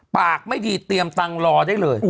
ปากไม่ดีเตรียมตังค์รอได้เลย